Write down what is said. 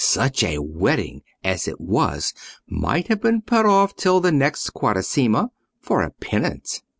such a wedding as it was might have been put off till the next Quaresima for a penance.